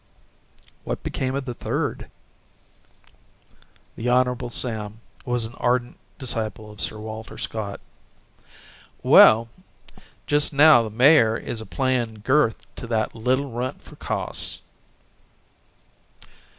"What became of the third?" The Hon. Sam was an ardent disciple of Sir Walter Scott: "Well, just now the mayor is a playin' Gurth to that little runt for costs."